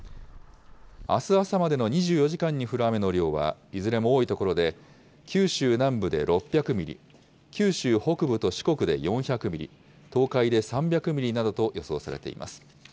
あす朝までの２４時間に降る雨の量はいずれも多い所で、九州南部で６００ミリ、九州北部と四国で４００ミリ、東海で３００ミリなどと予想されています。